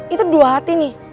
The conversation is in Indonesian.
itu dua hati nih